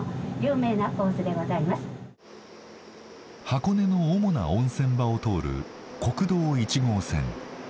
箱根の主な温泉場を通る国道１号線。